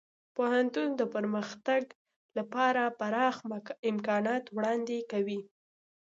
پوهنتون د پرمختګ لپاره پراخه امکانات وړاندې کوي.